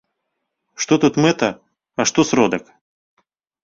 Што тут мэта, а што сродак?